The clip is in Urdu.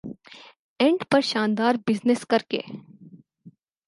اینڈ پر شاندار بزنس کرکے